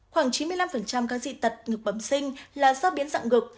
khoảng chín mươi năm các dị tật ngực bẩm sinh là do biến dạng gục